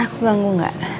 aku ganggu gak